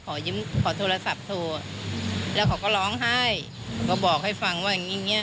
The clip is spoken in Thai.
ขอโทรศัพท์โทรแล้วเขาก็ร้องไห้ก็บอกให้ฟังว่าอย่างงี้เงี